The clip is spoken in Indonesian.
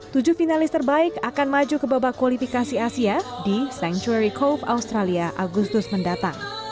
tujuh finalis terbaik akan maju ke babak kualifikasi asia di sanctuary cove australia agustus mendatang